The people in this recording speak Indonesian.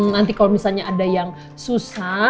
nanti kalau misalnya ada yang susah